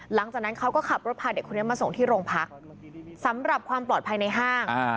หลังจากนั้นเขาก็ขับรถพาเด็กคนนี้มาส่งที่โรงพักสำหรับความปลอดภัยในห้าง